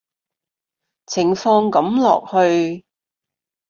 情況噉落去